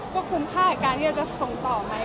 ก็คุ้มค่ากับการที่เราจะส่งต่อไหม